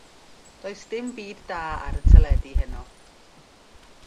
Does dim byd da ar y teledu heno.